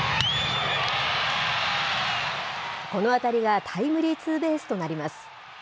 この当たりがタイムリーツーベースとなります。